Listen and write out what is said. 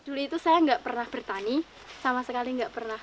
dulu itu saya nggak pernah bertani sama sekali nggak pernah